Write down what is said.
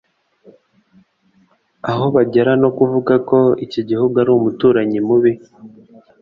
aho bagera no kuvuga ko iki gihugu ari umuturanyi mubi